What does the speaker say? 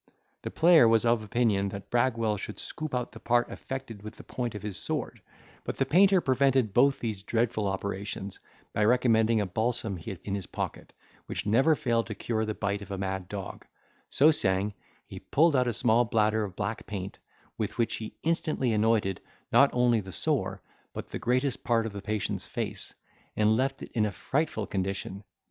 The player was of opinion that Bragwell should scoop out the part affected with the point of his sword; but the painter prevented both these dreadful operations by recommending a balsam he had in his pocket, which never failed to cure the bite of a mad dog; so saying, he pulled out a small bladder of black paint, with which he instantly anointed not only the sore, but the greatest part of the patient's face, and left it in a frightful condition.